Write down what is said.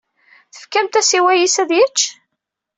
Tefkamt-as i wayis ad yečč?